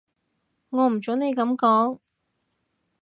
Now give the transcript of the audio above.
我唔準你噉講